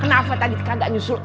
kenapa tadi ke gagak nyusul